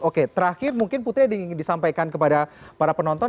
oke terakhir mungkin putri ada yang ingin disampaikan kepada para penonton